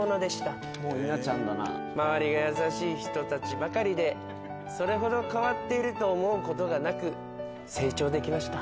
周りが優しい人たちばかりでそれほど変わっていると思うことがなく成長できました。